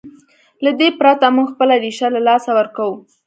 له دې پرته موږ خپله ریښه له لاسه ورکوو.